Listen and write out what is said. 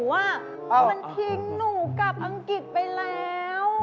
มันทิ้งหนูกลับอังกฤษไปแล้ว